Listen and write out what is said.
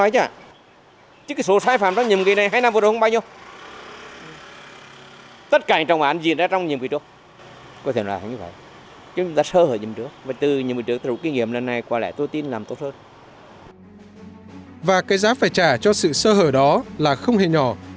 và cái giá phải trả cho sự sơ hở đó là không hề nhỏ